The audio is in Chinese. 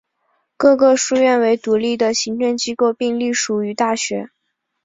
各个书院为独立的行政机构并隶属于大学。